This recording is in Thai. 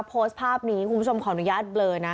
โพสต์ภาพนี้คุณผู้ชมขออนุญาตเบลอนะ